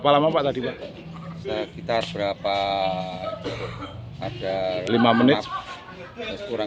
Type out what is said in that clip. lumayan ada lima menitan